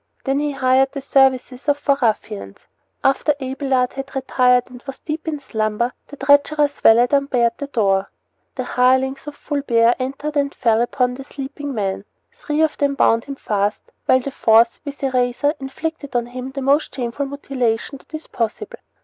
Then he hired the services of four ruffians. After Abelard had retired and was deep in slumber the treacherous valet unbarred the door. The hirelings of Fulbert entered and fell upon the sleeping man. Three of them bound him fast, while the fourth, with a razor, inflicted on him the most shameful mutilation that is possible.